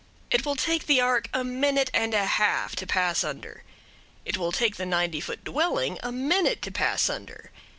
It will take the ark a minute and a half to pass under. It will take the ninety foot dwelling a minute to pass under.